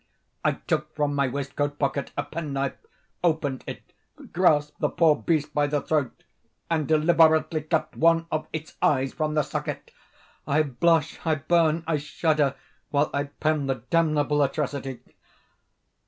I took from my waistcoat pocket a pen knife, opened it, grasped the poor beast by the throat, and deliberately cut one of its eyes from the socket! I blush, I burn, I shudder, while I pen the damnable atrocity.